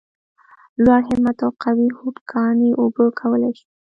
لوړ همت او قوي هوډ کاڼي اوبه کولای شي !